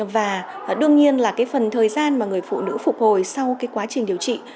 và đương nhiên là cái phần thời gian mà người phụ nữ phục hồi sau cái quá trình điều trị